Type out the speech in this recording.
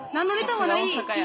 はい。